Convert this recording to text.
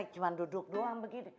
cuma duduk doang